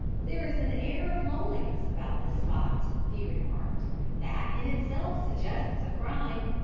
"There is an air of loneliness about this spot," he remarked, "that in itself suggests crime.